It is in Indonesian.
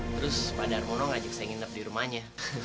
terus pak darmono ngajak saya nginep di rumahnya